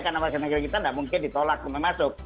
karena warga negara kita tidak mungkin ditolak untuk masuk